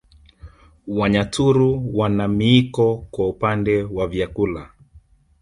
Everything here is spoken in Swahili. Wanyaturu wana miiko kwa upande wa vyakula